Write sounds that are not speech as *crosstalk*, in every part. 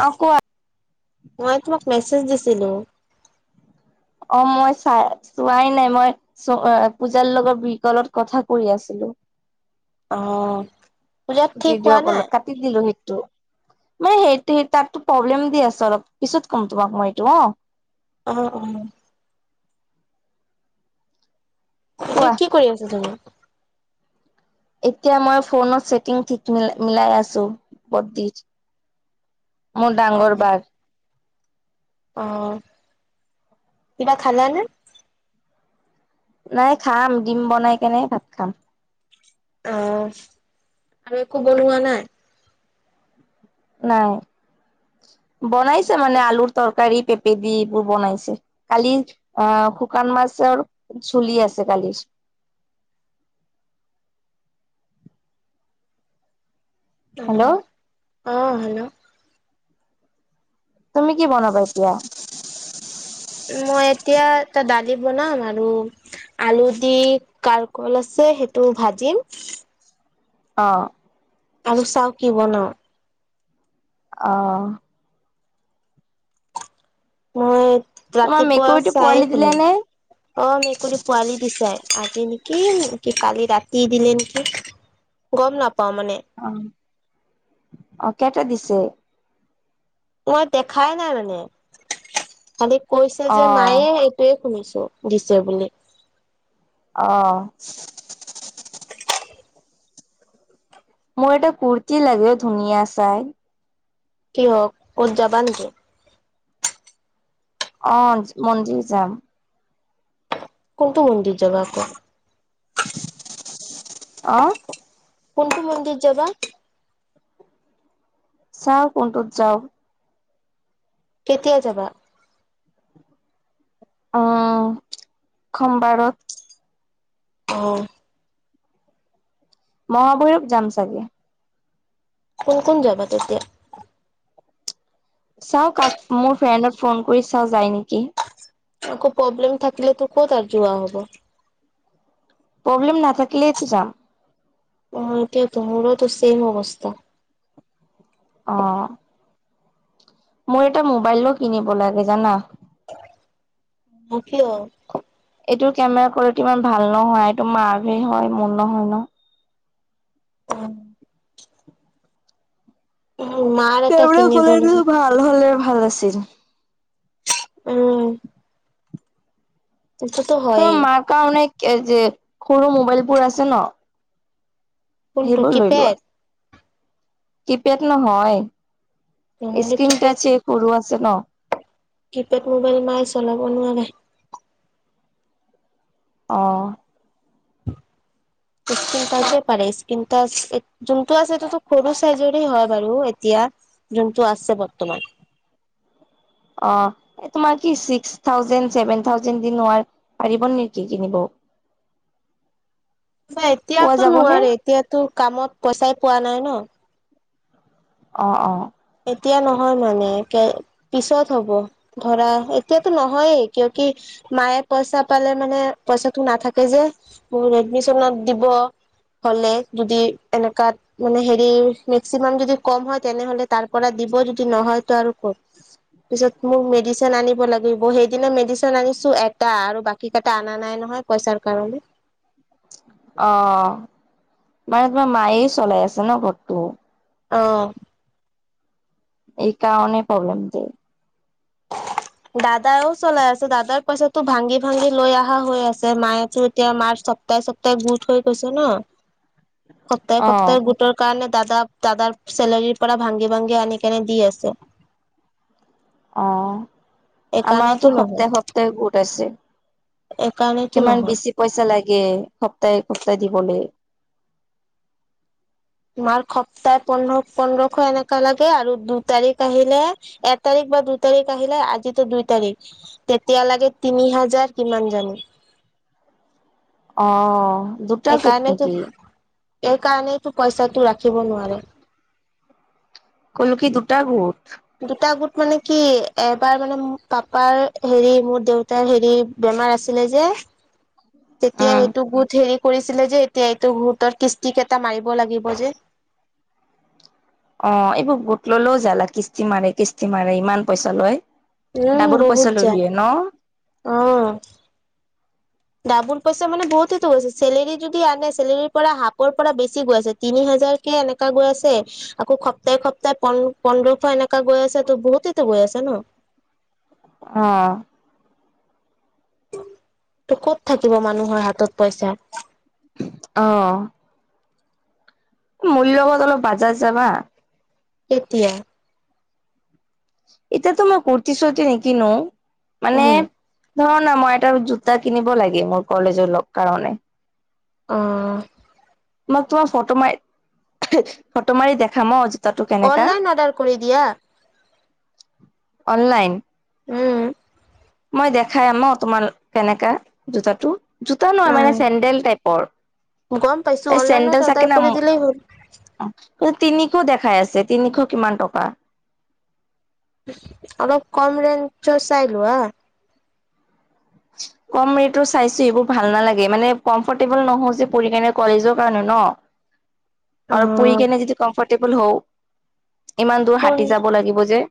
অ কোৱা মই তোমাক মেছেজ দিছিলো। অ' মই চাই চোৱাই নাই মই চ পূজাৰ লগৰ বিকললত কথা কৰি আছিলো। অহ। ভিডিঅ' কলত কাটি দিলো সেই মানে সেইটো স তাতো প্ৰব্লেম দি আছ অলপ পিছত ক'ম তোমাক মই এইটো অ', অ-অ, এয়া কোৱা কি কৰি আছে জানো। এতিয়া মই ফোনত ছেটিং ঠিক মিলাই আছো *unintelligible* মোৰ ডাঙৰ বাৰ, অহ কিবা খালা নে? নাই খাম দিম বনাই কেনে ভাত খাম। অ' আৰু একো বনোৱা নাই। নাই *unintelligible* বনাইছে মানে আলুৰ তৰকাৰী পেপেদি এইবোৰ বনাইছে কালি অ, শুকান মাছ তেওঁৰ চুলি আছে কালি। *inaudible* অ হেল্ল', অ, হেল্ল', তুমি কি বনাবা এতিয়া? মই এতিয়া এটা দালি বনাম আৰু আলু দি কাৰকল আছে সেইটো ভাজিম। অ', আৰু চাও কি বনাও। অহ', মই তোমাৰ ৰাতিপুৱা মেকুৰীটো চাহয়ে পোৱালি খালো দিলে নে? অ, মেকুৰী পোৱালি দিছে আ আজি নেকি -নেকি কালি ৰাতি দিলে নেকি গম নাপ অ', অ', কেইটা দিছে? মই দেখাই নাই মানে খালি কৈছে অ যে মায়ে এইটোৱে শুনিছো দিছে বুলি। অ', মোৰ এটা কুৰ্তি লাগে অ, ধুনীয়া চাই। কিয় কদ যাবা নেকি? অ, মন্দিৰ যাম। কোনটো মন্দিৰ যাবা আকৌ? অ', কোনটো মন্দিৰ যাবা? চাওঁ কোনটোত যাওঁ কেতিয়া যাবা? উম সোম বাৰত। অঁ মহাভৈৰৱ যাম চাগে। কোন কোন যাবা তেতিয়া? চাওঁ কাক মোৰ ফ্ৰেণ্ডক ফোন কৰি চাওঁ যায় নেকি? আকৌ প্ৰব্লেম থাকিলে তো ক'ত আৰ যোৱা হ'ব। প্ৰব্লেম নাথাকিল টো যাম। অঁ সেইটোৱেই ত' মাৰোতো ছেম অৱস্থা। অঁ মোৰ এটা মোবাইলো কিনিব লাগে জানা। অ' কিয়? কোৱালটি ইমান ভাল নহয় এটো মাৰহে হয় মন নহয় ন। উম। এটা সেইবোৰে কিনিব গ'লেনো লাগে ভাল হ'লে ভাল আছিল। উম। এইটোত হয়েই। কে যে সৰু মোবাইলবোৰ আছে ন। কোনটো সেইবোৰ কি লৈ লোৱা। পেদ? কিপেড নহয়, নহ'লে স্ক্ৰিন কিপেড টাচে সৰু আছে ন। কিপেড মোবাইল মাই চলাব নোৱাৰে। অঁহ। *unintelligible* *unintelligible* যোনটো আছে টো টো কৰবো চাইজৰে হয় বাৰু এতিয়া জোনটো আছে বৰ্তমান। অ' তোমাৰ কি চিক্স থাউজেণ্ড ছেভেন থাউজেণ্ দি নোৱাৰ পাৰিব নেকি কিনিব। *inaudible* নাই পোৱা এতিয়াতো যাবনে? নোৱাৰে এতিয়াতো কামত পইচাই পোৱা নাই ন। অ'- অ'। এতিয়া নহয় মানে কে পিছত হ'ব ধৰা এতিয়াতো নহয়েই কিয় কি মায়ে পইচা পালে মানে পইচাটো নাথাকে যে মোৰ এডমিচনত দিব। হ'লে যদি এনেকাত মানে হেৰি মেক্সিমাম যদি কম হয় তেনেহ'লে তাৰ পৰা দিব যদি নহয় ত' আৰু ক'ত। পিছত মোক মেডিচিন আনিব লাগিব সেইদিনা মেডিচিন আনিছো এটা আৰু বাকি কেইটা আনা নাই। নহয় পইচাৰ কাৰণে। অ', মানে তোমাৰ মায়ে চলাই আছে ন ঘৰটো। অ'। এই কাৰনে প্ৰব্লেম দে দাদাও চলাই আছে দাদাৰ পইচাতো ভাঙি- ভাঙি লৈ অহা হৈ আছে মায়ে টো এতিয়া মাৰ সপ্তাহে-সপ্তাহে গোট হৈ গৈছে ন, সপ্তাহে- অ', সপ্তাহে গোটৰ কাৰণে দাদা দাদাৰ চেলেৰীৰ পৰা ভাংঙি ভাংগি আনি কেনে দি আছে। অ', এইকাৰণেতো আমাৰতো নহয় সপ্তাহ-সপ্তাহে গোট আছে। এইকাৰণেতো কিমান নহয় বেছি পইচা লা গে সপ্তাহে-সপ্তাহে দিবলে। তোমাৰ সপ্তাহ পোন্ধৰ পোন্ধৰশ এনেকা লাগে আৰু দু তাৰিখ আহিলে এ তাৰিখ বা দুই তাৰিখ আহিলে আজিতো দুই তাৰিখ তেতিয়া লাগে তিনি হাজাৰ কিমান জানো। অ', দুটা গোট নেকি। এই কাৰণেইটো পইচাটো ৰাখিব নোৱাৰে। ক'লো কি দুটা গোট। দুটা গোট মানে কি এবাৰ মানে মোক পাপাৰ হেৰি মোৰ দেউতাৰ হেৰি বনাই আছিলে যে তেতিয়া উম, সটো গোট হে কৰিছিলে যে এতিয়া এইটো গোটৰ কিস্তি কেইটা মাৰিব লাগিব যে। অ', এইবোৰ গোট ল'লেও জালা কিস্তি মাৰে- কিস্তি মাৰে ইমান পইচা লয়। উম ডাবুল বহুত পইচা যায় ল'লিয়ে ন। অ ডাবুল পইচা মানে বহুটো গৈছে চেলেৰী যদি আহে চেলেৰী পৰা হাফৰ পৰা বেছি গৈ আছে তিনি হাজ যাৰ কে এনেকা গৈ আছে আকৌ সপ্তাহে সপ্তাহে প পন্ধৰশ এনেকা গৈ আছে তো বহুতে টো আছে ন। অ'। ত' ক'ত থাকিব মানুহৰ হাতত পইচা। অ'। মোৰ লগত অলপ বাজাৰ যাবা। এতিয়া। এতিয়াতো মই কুৰ্তি চুৰ্তি নিকিনো মানে উম ধৰা না মই এটা জোতা কিনিব লাগে মোৰ কলেজৰ লগ কাৰণে। অ'। মই তোমাৰ ফটো মাৰি ফটো মাৰি দেখাম জোতাটো কেনেকা অনলাইন অৰ্ডাৰ কৰি দিয়া। অনলাইন। উম। মই দেখাই আম ন তোমাৰ কেনেকা জোতাটো। জোতা নহয় মানে অ চেণ্ডেল টাইপৰ। গম পাইছো অনলাইনত চেন্দেল চাকে অৰ্ডাৰ কৰি ন দিলেই হ'ল অ তিনি *unintelligible* দেখাই আছে তিনিশ কিমান টকা। অলপ কম ৰেঞ্জৰ চাই লোৱা। *inaudible* কম ৰেটৰ চাইছো এইবোৰ ভাল নালাগে মানে কম্ফৰ্টেবল নহও যে পঢ়ি কাৰণে কলেজৰ কাৰণে ন অ আৰু পুৰী কেনে যদি কম্ফৰ্টেবল হওঁ ইমান দূৰ কোন হাতী যাব লাগিব যে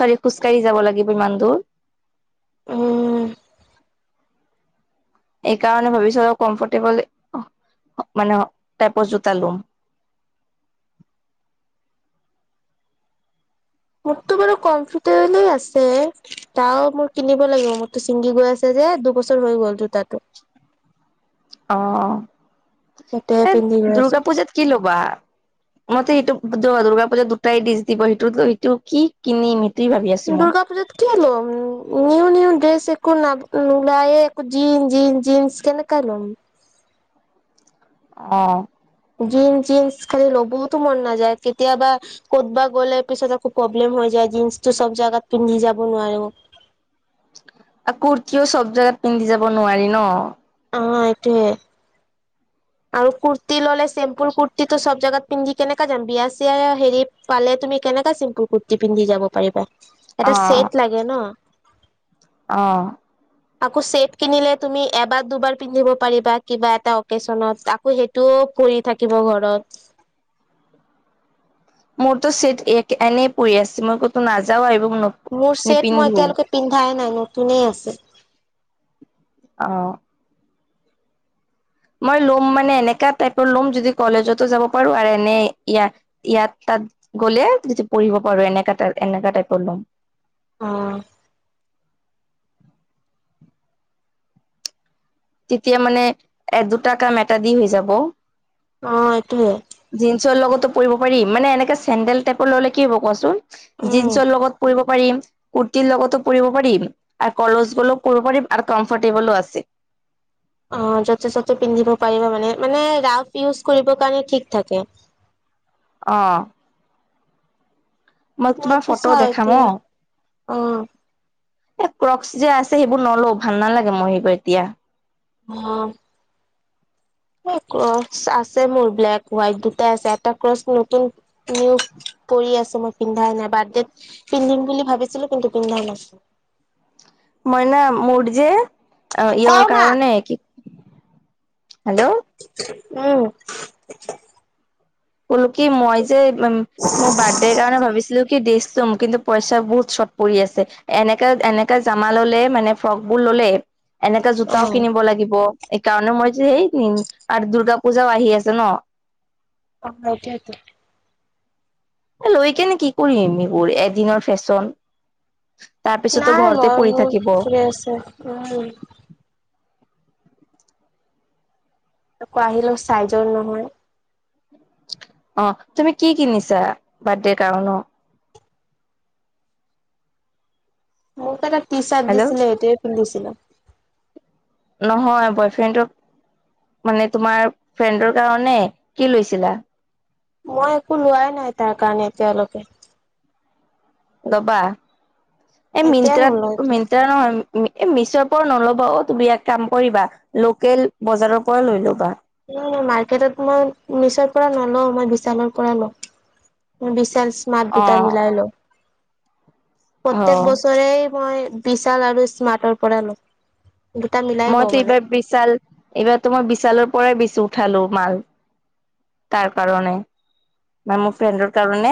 চাল খোজকাঢ়ি যাব লাগিব ইমান দূৰ উম। এইকাৰণে ভাবিছোঁ আৰু কমফৰ্টেবল মানে টাইপৰ জোতা লম *inaudible* মোৰতো বাৰু কম্ফটেবুলে আছে তাও মোৰ কিনিব লাগিব মোৰতো ছিঙগি গৈ আছে যে দুবছৰ হৈ গ'ল জোতাটো অ', সেইটোৱে এ পিন্ধি গৈ দূৰ্গা আছো পূজাত কি ল'বা? মতে সেইটো দুৰ্গা পূজা দুটাই ডিচ দিব সেইটোত সটো কি কিনিমটো দুৰ্গা পূজাত কি হল নিউ, নিউ ড্ৰেছ একো ন ওলাইে একো জিনন্ জিন জন্স কেনেকা ল'ম অ', জিন্ জিন্স খালি ল'বতো মন নাযায় কেতিয়াবা ক'তবা গ'লে পিছত প্ৰব্লেম হৈ যায় জীন্চ টো চব জোগাত পিন্ধি যাব নোৱাৰে কুৰ্তিও চব জোগাত পিন্ধি যাব নোৱাৰি ন। অ', এইটোয়ে আৰু কুৰ্তি ললে চিম্পুল কুৰ্তীটো চব জোগাত পিন্ধি কেনেকা যাম বিয়া চিয়া হেৰি পালে তুমি কেনেককা চিম্পুল কুৰ্তি পিন্ধি যাব পাৰিবা, এটা চেট লাগে ন। আহ, আকৌ চেট কিনিলে তুমি এবাৰ দুবাৰ পিন্ধিব পাৰিবা কিবা এটা অকেজনত আকৌ সেইটোও পৰি থাকিব ঘৰত মোৰতো চেট এনেই পৰি আছে মই কতো নাযাও আহিব মোৰ চেট মই এতিয়ালৈকে পিন্ধাই নাই নতুনে আছে অ', মই ল'ম মানে এনেকা টাইপৰ ল'ম যদি কলেজতো যাব পাৰো আৰু এ ন ইয়াত ইয়াত গ'লে পঢ়িব পাৰো এনেকা এনেকা টাইপৰ লম উম তেতিয়া মানে এ দুটা কাম এটা দি হৈ যাব অ এইটোয়ে জিস্নৰ লগতো কৰিব পাৰি মানে এনেকা চেণ্ডেল টাইপৰ ল'লে কি হ'ব কোৱাচোন উম। জিনচ্ লগত কৰি ম কুৰ্তিৰ লগতো পুব পাৰিম আৰু কলচ গলো পব পাৰিম আৰু কমফৰ্টেবলো আছে অ', য'তে ত'তে পিন্ধিব পাৰিবা মানে মানে ৰাফ ইউজ কৰিব কাৰণে ঠিক থাকে *inaudible* অহ, মই তোমাৰ মইতো ফটো চাও দেখাম অ', এতিয়া অ এ ক্ৰ অ্সি যে আছে সেইবোৰ নলওঁ ভাল নালাগে মই সেই কৰ এতিয়া অ', ক্ৰচ আছে মোৰ ব্লেক হোৱাইট দুটাই আছে এটা ক্ৰচ নতুন নিউ পৰি আছো মই পিন্ধাই নাই বাৰ্থডেত পিন্ধিম বুলি ভাবিছিলো কিন্তু পিন্ধা নাছিলো *inaudible* মইনা মোৰ যে কও ইয়ৰ না কাৰণে, কি হেল্ল', উম কলো কি মই যে উ মোৰ বাৰ্থডেৰ কাৰণে ভাবিছিলো কি কিন্তু পইচা বহুত চৰ্ট পৰি আছে এনেকা এনেকা জামা ললে মানে ফ্ৰক বোৰ ললে এনেকা অ জোতাও কিনিব লাগিব সেইকাৰণে মই যে সেই আৰু দুূৰ্গা পূজাও আহি আছে ন অ', *unintelligible* লৈ কেনে কি কৰিম এইবোৰ এদিনৰ ফেশ্বন তাৰ পিছতো নাই, ঘৰতে মই পৰি বহুত থাকিব ফ আছো উ আকৌ আহিলো চাইজৰ নহয়। অ' তুমি কি কিনিছা বাৰ্থডেৰ কাৰনে। মোৰত এটা ট চাৰ্ট হেল্ল' দিছিলে এটোৱ পিন্ধিছিলো। নহয় বয়ফ্ৰেণ্ডক মানে তোমাৰ ফ্ৰেণ্ডৰ কাৰণে কি লৈছিলা। মই একো লোৱাই নাই তাৰ কাৰণে এতিয়ালৈকে। দবা এই এতিয়া নলওঁ মিন্ত্ৰা-মিন্ত্ৰা নহয়। এ মিছৰ পৰা নল'বা অ তুমি ইাক কাম কৰিবা লোকেল বজাৰৰ পৰা লৈ ল'বা। মাৰ্কেটত মই মিচৰ পৰা নলও মই বিশালৰ পৰা লওঁ। বিশাল স্মাৰ্ট অ বুটাৰ মিলাইলৈ অ প্ৰত্যেক বছৰেই মই বিশাল আৰু স্মাৰ্টৰ পৰা লওঁ। দুটা মিলাই লওঁ মইতো মানে। এইবাৰ বিশাল এইবাৰো মই বিশালৰ পৰাই বিচি উঠালো মাল। তাৰ কাৰণে ম মোৰ ফ্ৰেণ্ডৰ কাৰণে।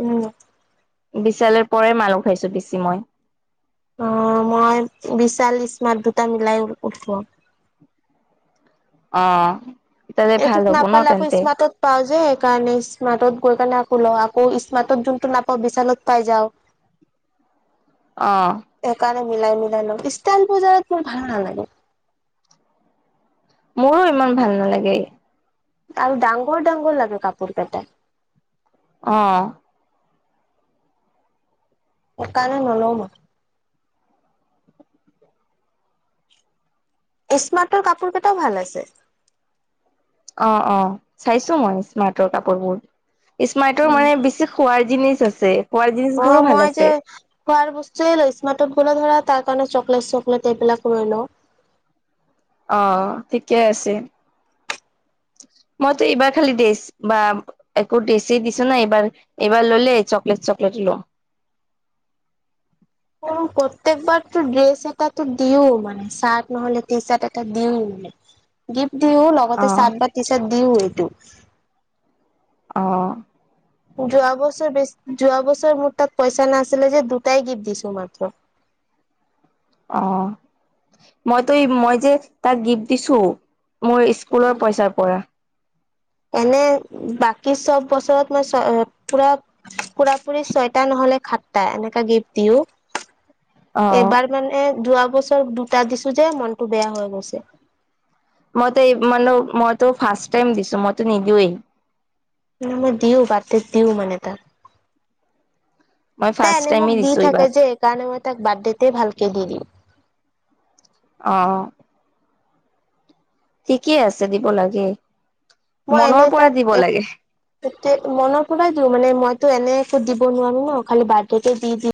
উম, বিশালৰ পৰাই মালুহ খাইছো পছি মই অহ মই বিশাল স্মাৰ্ট দুটা মিলাই উঠোৱা। অ তাতে ভাল এইটোত হ'ব ন নাপালে আকৌ তেন্তে স্মাতত পাওঁ যে। কাৰণে স্মাৰ্টত গৈ কাৰণে আকৌ লওঁ আকৌ স্মাৰটত যোনটো নাপাওঁ বিশালত পাই যাওঁ। *inaudible* অহ মিলাই-মিলাই ল ষ্টাইল বজাৰত মোৰ ভাল নালাগে। মোৰো ইমান ভাল নালাগে আৰু ডাঙৰ-ডাঙৰ লাগে কাপোৰ কেটা। অ সেইকাৰনে নলও মই। স্মাৰ্টৰ কাপোৰ কেইটাও ভাল আছে। অ-অ চাইছো মই স্মাৰ্টৰ কাপোৰবোৰ স্মাৰ্টৰ মানে বেছি খোৱাৰ জিনিছ আছে। খোৱাৰ জিনিচ বোৰো অ' ভাল মই যে আছে খোৱাৰ বস্তু স্মাৰটত গলে ধৰা তাৰ কাৰণে চকলেট চকলেট এইবিলাক ই ল। অ' ঠিকে আছে। *inaudible* মইতো এইবাৰ খালি ড্ৰেছ বা একো ড্ৰেছ দিছো ন এইবাৰ এইবাৰ ল'লে চকলেট চকলেট। ল *inaudible* *unintelligible* প্ৰত্যেকবাৰতো ড্ৰেছ এটাো দিও মানে চাৰ্ট নহ'লে টি চাৰ্ট এটা দিও মানে গিফ্ট দিও অ লগতে চাৰ্ট বা ট চাৰ্ট দিও এইটো অঁ', যোৱা বছৰ বেছ যোৱা বছৰ মুৰ তাত পইচা নাছিলে যে দুটাই গিফ্ট দিছো মাত্ৰ। *unintelligible* অ' মইতো মই যে তাক গিফ্ট দিছো। মোৰ স্কুলৰ পইচাৰ পৰা এনে বাকী চব বছৰত মই চ পুৰা পুৰা পুৰি ছয়টা নহলে সাতটা এনেকা গিফ্ট দিও। অ এইবাৰ মানে যোৱা বছৰ দুটা দিছো যে মনটো বেয়া হৈ গৈছে। মইতো এই মানে মইতো ফাৰ্ষট টাইম দিছো মইতো নিদিওঁৱেই। ন মই দিও বাৰ্দেদ দিও মান ত। মই তাই ফাৰ্ষ্ট এনে মোক টাইমে দি দিছো থাকে এইবাৰ যে এইকাৰণে মই তাক বাৰ্থডেতে ভালকে দি দিও। অহ, ঠিকেই আছে দিব লাগে। মই মনৰ এনে পৰা তাক দিব লাগে মনত পেলাই দিওঁ মানে মইতো এনে দিব দিব নোৱাৰো ন খালি বাৰ্থডেট দি দিম